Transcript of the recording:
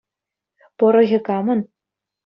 Пӑрӑхӗ камӑн?